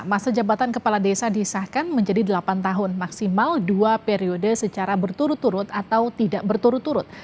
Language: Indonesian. masa jabatan kepala desa disahkan menjadi delapan tahun maksimal dua periode secara berturut turut atau tidak berturut turut